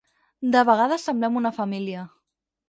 De vegades semblem una família.